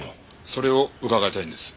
それを伺いたいんです。